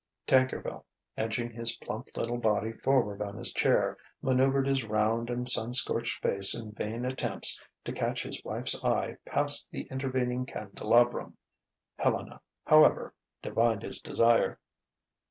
Tankerville, edging his plump little body forward on his chair, manoeuvred his round and sun scorched face in vain attempts to catch his wife's eye past the intervening candelabrum. Helena, however, divined his desire.